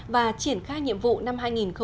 và triển khai nhiệm vụ năm hai nghìn một mươi chín